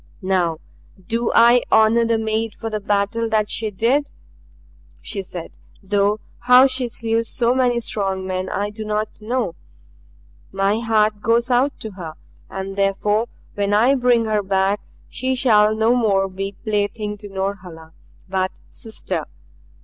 "Now do I honor the maid for the battle that she did," she said, "though how she slew so many strong men I do not know. My heart goes out to her. And therefore when I bring her back she shall no more be plaything to Norhala, but sister.